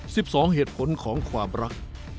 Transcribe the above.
สิบสองเหตุผลของความรัก